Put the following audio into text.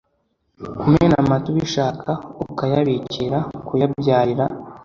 kumena amata ubishaka kuyabikira, kuyabyarira